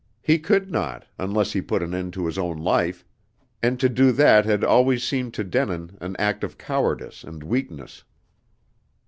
He could not, unless he put an end to his own life, and to do that had always seemed to Denin an act of cowardice and weakness.